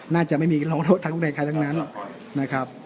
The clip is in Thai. น่าจะไม่มีร้องรถทั้งใดใครทั้งนั้นนะครับ